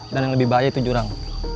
dan yang lebih bahaya itu jurang